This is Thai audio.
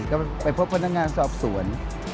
ก็ไปพบพนักงานสอบสวน